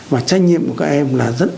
và trách nhiệm của các em là rất